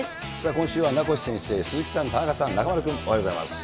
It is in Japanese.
今週は名越先生、鈴木さん、田中さん、中丸君、おはようございます。